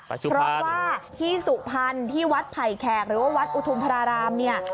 เพราะว่าที่สุพรรณที่วัดไผ่แขกหรือว่าวัดอุทุมพรารามเนี่ย